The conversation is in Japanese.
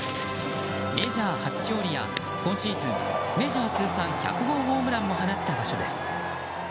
メジャー初勝利や、今シーズンメジャー通算１００号ホームランを放った場所です。